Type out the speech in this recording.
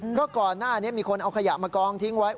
เพราะก่อนหน้านี้มีคนเอาขยะมากองทิ้งไว้